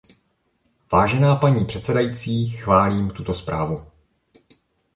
Vážená paní předsedající, chválím tuto zprávu.